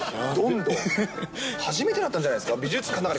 初めてだったんじゃないですか？